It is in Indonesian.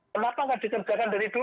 kenapa nggak dikerjakan dari dulu